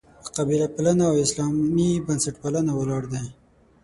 په «قبیله پالنه» او «اسلامي بنسټپالنه» ولاړ دي.